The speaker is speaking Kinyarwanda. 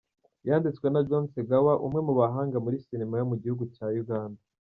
Yanditswe na John Segawa, umwe mu bahanga muri sinema yo mu gihugu cya Uganda.